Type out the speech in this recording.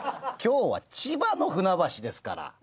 今日は千葉の船橋ですから。